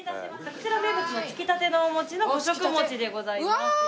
こちら名物のつきたてのお餅の５色もちでございます。